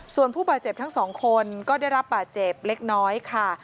ส่วนผู้บาดเจ็บทั้งสองคนก็ได้รับบาดเจ็บเล็กน้อยค่ะ